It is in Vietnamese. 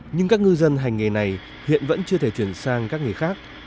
nhưng các ngư dân hành nghề này hiện vẫn chưa thể chuyển sang các nghề khác